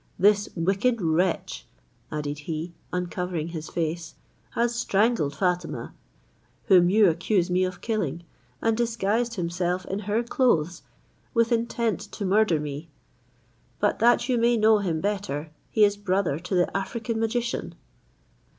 This wicked wretch," added he, uncovering his face, "has strangled Fatima, whom you accuse me of killing, and disguised himself in her clothes with intent to murder me: but that you may know him better, he is brother to the African magician."